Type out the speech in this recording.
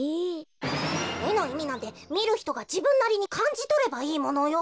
えのいみなんてみるひとがじぶんなりにかんじとればいいものよ。